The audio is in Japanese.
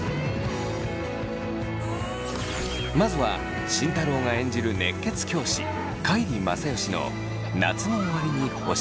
まずは慎太郎が演じる熱血教師海里正義の「夏の終わりに、星を見る」。